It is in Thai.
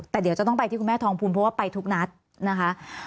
แต่เดี๋ยวจะต้องไปที่คุณแม่ทองภูมิเพราะว่าไปทุกนัดนะคะ